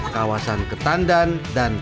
kawasan ketandan dan pantai